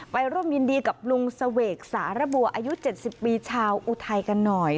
ร่วมยินดีกับลุงเสวกสารบัวอายุ๗๐ปีชาวอุทัยกันหน่อย